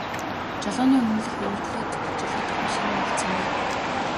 Жолооны үнэмлэх өвөртлөөд ч жолоодох машин нь олдсонгүй.